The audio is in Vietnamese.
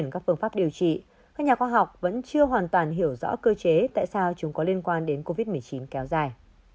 các phương pháp điều trị các nhà khoa học vẫn chưa hoàn toàn hiểu rõ cơ chế tại sao chúng có liên quan đến covid một mươi chín kéo dài